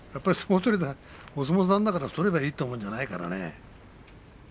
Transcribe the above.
お相撲さんだから太ればいいというもんじゃないからね。